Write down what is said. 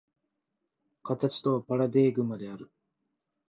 形とはパラデーグマである。